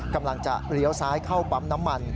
กำลังจะเลี้ยวซ้ายเข้าปั๊มน้ำมัน